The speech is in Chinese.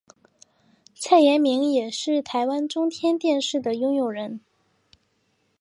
蔡衍明也是台湾中天电视的拥有人。